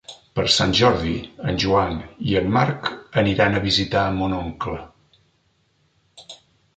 Per Sant Jordi en Joan i en Marc aniran a visitar mon oncle.